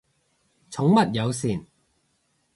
寵物友善